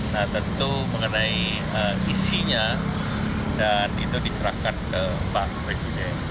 nah tentu mengenai isinya dan itu diserahkan ke pak presiden